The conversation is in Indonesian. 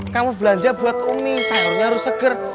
kamu belanja buat umi sayurnya harus seger